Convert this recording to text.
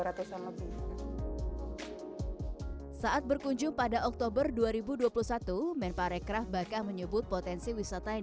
ratusan lebih saat berkunjung pada oktober dua ribu dua puluh satu men parekraf bahkan menyebut potensi wisata yang